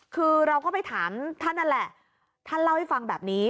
คือเราก็ไปถามท่านนั่นแหละท่านเล่าให้ฟังแบบนี้